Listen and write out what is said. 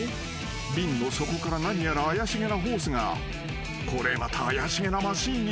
［瓶の底から何やら怪しげなホースがこれまた怪しげなマシンにつながっており］